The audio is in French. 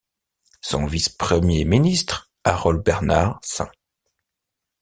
Son vice-Premier ministre, Harold Bernard St.